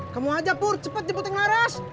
kamu aja pur cepet jemput yang laras